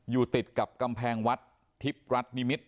อยู่ติดกับกำแพงวัดทิพย์รัฐนิมิตร